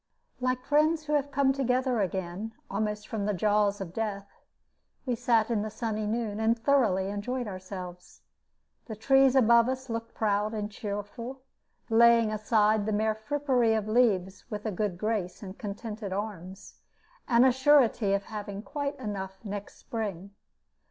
Like friends who have come together again, almost from the jaws of death, we sat in the sunny noon, and thoroughly enjoyed ourselves. The trees above us looked proud and cheerful, laying aside the mere frippery of leaves with a good grace and contented arms, and a surety of having quite enough next spring.